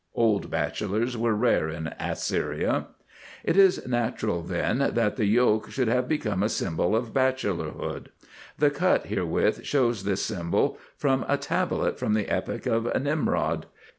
(Old bachelors were rare in Assyria.) It is natural then that the yoke should have become the symbol of bachelorhood. The cut herewith shows this symbol from a tablet from the Epic of Nimrod.